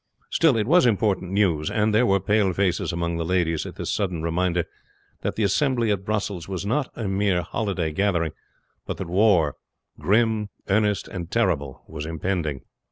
Still it was important news; and there were pale faces among the ladies at this sudden reminder that the assembly at Brussels was not a mere holiday gathering, but that war, grim, earnest, and terrible, was impending.